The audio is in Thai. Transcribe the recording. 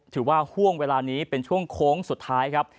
ห่วงเวลานี้เป็นช่วงโค้งสุดท้ายครับ